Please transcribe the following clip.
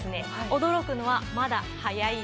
驚くのはまだ早いんです。